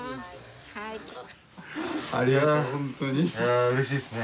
あうれしいですね。